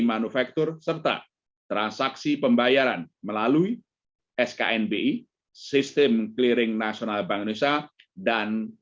manufaktur serta transaksi pembayaran melalui sknbi sistem clearing nasional bank indonesia dan